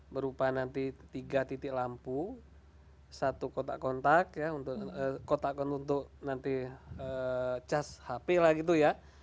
berupa nanti tiga titik lampu satu kotak kontak ya untuk kotak untuk nanti cas hp lah gitu ya